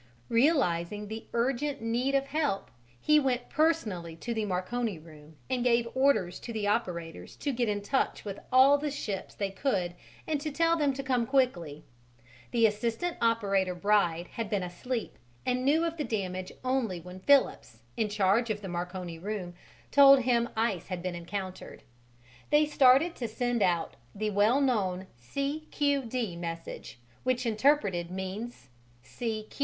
Realizing the urgent heed of help, he went personally to the Marconi room and gave orders to the operators to get into touch with all the ships they could and to tell them to come quickly. The assistant operator Bride had been asleep, and knew of the damage only when Phillips, in charge of the Marconi room, told him ice had been encountered. They started to send out the well known "C.Q.D." message, which interpreted means: C.Q.